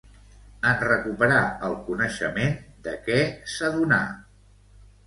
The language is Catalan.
En recuperar el coneixement, de què s'adonà?